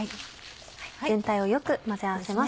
全体をよく混ぜ合わせます。